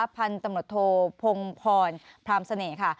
พันธรรมดโทพงพรพราหมณ์เสน่ห์ค่ะ